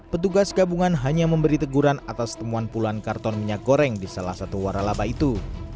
petugas gabungan hanya memberi teguran atas temuan puluhan karton minyak goreng di salah satu waralaba itu